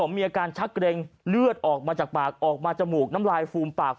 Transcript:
มีอาการชักเกร็งเลือดออกมาจากปากออกมาจมูกน้ำลายฟูมปาก